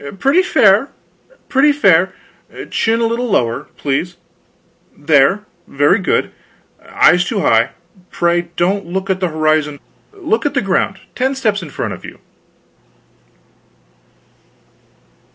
"Pretty fair pretty fair. Chin a little lower, please there, very good. Eyes too high; pray don't look at the horizon, look at the ground, ten steps in front of you.